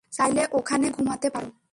চাইলে ওখানে ঘুমাতে পারো।